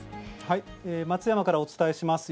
松山からお伝えします。